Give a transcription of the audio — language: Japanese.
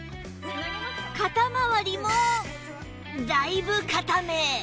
肩まわりもだいぶ硬め